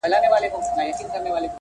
او بې شکه ما نه بلکي لوی استادان یې